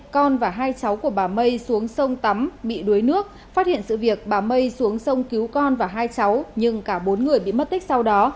con và hai cháu của bà mây xuống sông tắm bị đuối nước phát hiện sự việc bà mây xuống sông cứu con và hai cháu nhưng cả bốn người bị mất tích sau đó